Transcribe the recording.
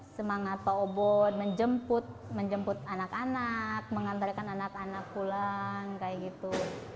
semangat pak obot menjemput menjemput anak anak mengantarkan anak anak pulang kayak gitu